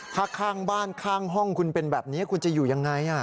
ถ้าข้างบ้านข้างห้องคุณเป็นแบบนี้คุณจะอยู่ยังไง